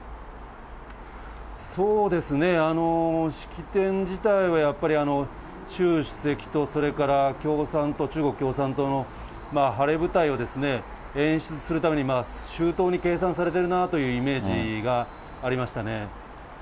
そうですね、式典自体はやっぱり、習主席とそれから共産党、中国共産党の晴れ舞台を演出するために周到に計算されてるなというイメージがありましたね。